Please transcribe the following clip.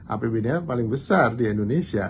apbd nya paling besar di indonesia